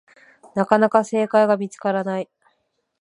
なかなか正解が見つからない